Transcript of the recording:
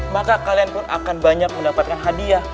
maka kalian pun akan banyak mendapatkan hadiah